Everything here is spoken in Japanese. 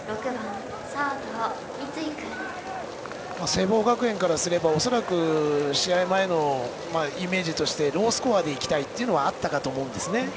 聖望学園からすれば恐らく試合前のイメージとしてロースコアでいきたいというのはあったかと思うんですね。